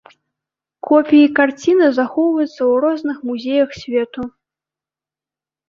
Копіі карціны захоўваюцца ў розных музеях свету.